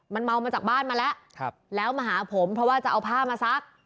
มันเมามาจากบ้านมาแล้วแล้วมาหาผมเพราะว่าจะเอาผ้ามาซัก